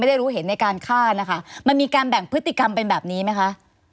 ได้รู้เห็นในการฆ่านะคะมันมีการแบ่งพฤติกรรมเป็นแบบนี้ไหมคะ